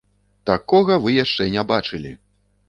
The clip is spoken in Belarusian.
Такога вы яшчэ не бачылі!